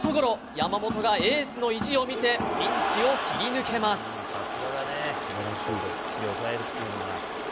山本がエースの意地を見せピンチを切り抜けます。